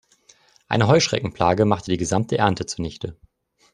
Eine Heuschreckenplage machte die gesamte Ernte zunichte.